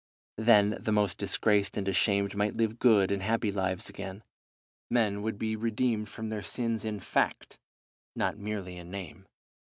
Then the most disgraced and ashamed might live good and happy lives again. Men would be redeemed from their sins in fact, and not merely in name.